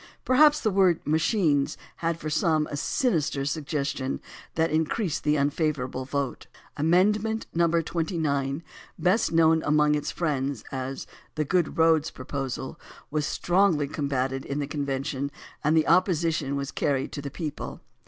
Perhaps the word "machines" had for some a sinister suggestion that increased the unfavorable vote. Amendment No. 29, best known among its friends as the "good roads" proposal, was strongly combated in the convention and the opposition was carried to the people.